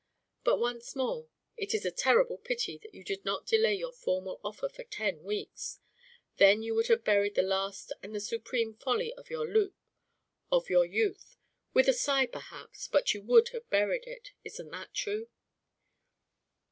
But once more it is a terrible pity that you did not delay your formal offer for ten weeks. Then you would have buried the last and the supreme folly of your youth with a sigh perhaps, but you would have buried it. Isn't that true?"